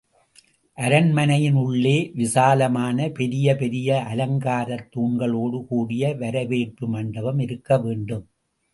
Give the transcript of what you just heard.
அரண்மனையின் உள்ளே விசாலமான, பெரிய பெரிய அலங்காரத் தூண்களோடு கூடிய, வரவேற்பு மண்டபம் இருக்க வேண்டும்.